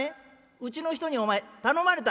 うちの人にお前頼まれた。